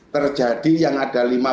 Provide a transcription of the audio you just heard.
terjadi yang ada lima